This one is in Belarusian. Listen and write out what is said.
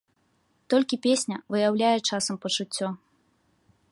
Толькі песня выяўляе часам пачуццё.